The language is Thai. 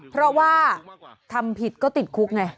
เพราะว่าทำผิดก็ติดคุกไง